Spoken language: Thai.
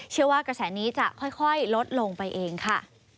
กระแสนี้จะค่อยลดลงไปเองค่ะ